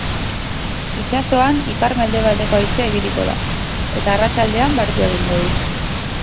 Itsasoan ipar-mendebaldeko haizea ibiliko da, eta arratsaldean baretu egingo du.